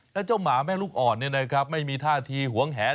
และเจ้าหมาแม่ลูกอ่อนนี่นะครับไม่มีท่าทีหวงแหน